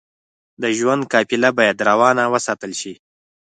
د ژوند قافله بايد روانه وساتل شئ.